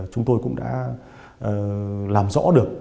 chúng tôi cũng đã làm rõ được